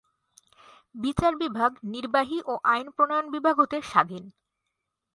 বিচার ভাগ নির্বাহী ও আইন প্রণয়ন বিভাগ হতে স্বাধীন।